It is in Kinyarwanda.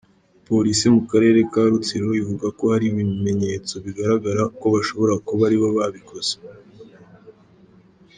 Police mu karere ka Rutsiro ivugako hari ibimenyetso bigaragara ko bashobora kuba aribo ababikoze.